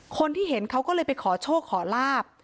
คนที่เห็นเขาก็เลยไปขอโชคขอลาบ